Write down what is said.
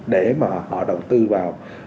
để mà họ đầu tư vào